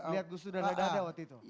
lihat gus dur dan dada waktu itu